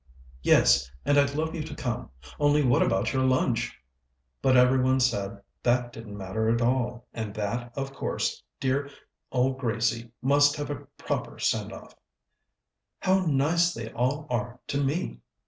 "Yes, and I'd love you to come; only what about your lunch?" But every one said that didn't matter at all, and that, of course, dear old Gracie must have a proper send off. "How nice they all are to me!"